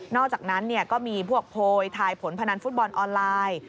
อกจากนั้นก็มีพวกโพยทายผลพนันฟุตบอลออนไลน์